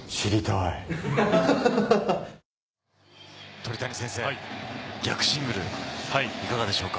鳥谷先生、逆シングル、いかがでしょうか？